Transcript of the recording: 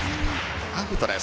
アウトです。